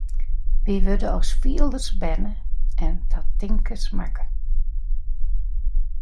Wy wurde as fielers berne en ta tinkers makke.